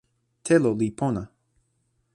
telo li pona.